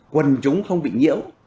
quần chúng không bị nhiễu